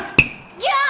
ギャー！